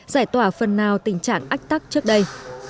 giải tỏa phần nào tình trạng ách tắc trước đây